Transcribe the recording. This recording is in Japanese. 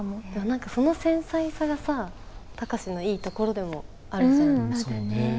何かその繊細さがさ貴司のいいところでもあるじゃん。